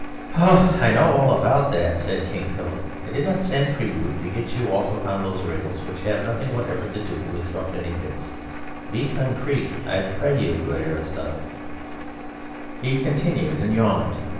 "Oh, I know all about that," said King Philip; "I did not send for you to get you off upon those rails, which have nothing whatever to do with thruppenny bits. Be concrete, I pray you, good Aristotle," he continued, and yawned.